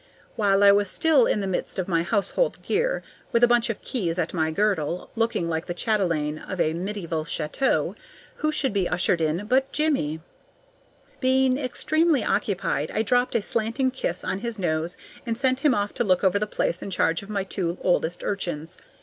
While I was still in the midst of my household gear, with a bunch of keys at my girdle, looking like the chatelaine of a medieval château, who should be ushered in but Jimmie? Being extremely occupied, I dropped a slanting kiss on his nose, and sent him off to look over the place in charge of my two oldest urchins.